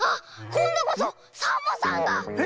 こんどこそサボさんが！